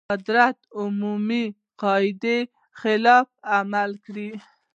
قدرت عمومي قاعدې خلاف عمل کړی.